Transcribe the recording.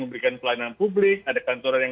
memberikan pelayanan publik ada kantoran yang